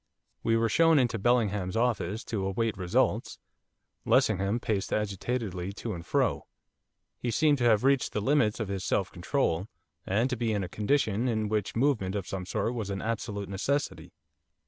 We were shown into Bellingham's office to await results. Lessingham paced agitatedly to and fro; he seemed to have reached the limits of his self control, and to be in a condition in which movement of some sort was an absolute necessity.